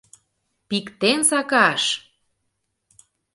Пиктен сакаш!